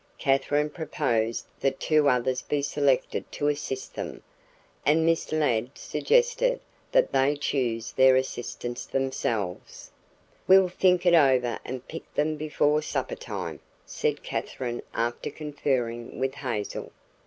Katherine proposed that two others be selected to assist them, and Miss Ladd suggested that they choose their assistants themselves. "We'll think it over and pick them before suppertime," said Katherine after conferring with Hazel.